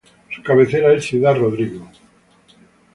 Su cabecera es Ciudad Rodrigo.